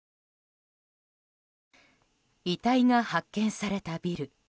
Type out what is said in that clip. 遺体が発見されたビル。